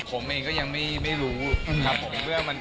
ผมเองก็ยังไม่รู้ครับผม